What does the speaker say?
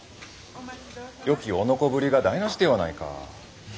よき男ぶりが台なしではないか。